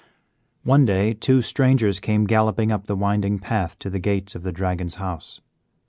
One day two strangers came galloping up the winding path to the gates of the Dragon's house.